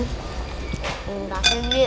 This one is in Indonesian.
oh ini udah iniut iniut